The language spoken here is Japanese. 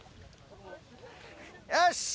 よし！